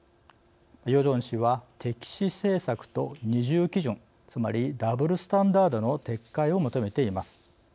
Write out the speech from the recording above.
ヨジョン氏は敵視政策と二重基準つまりダブルスタンダードの撤回を求めています。